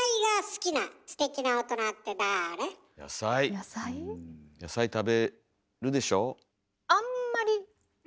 野菜野菜食べるでしょ？